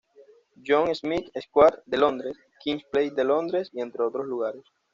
John's Smiths Square de Londres, Kings Place de Londres y en otros lugares.